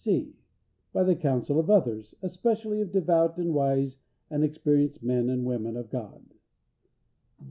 (c) By the counsel of others, especially of devout, and wise, and experienced men and women of God.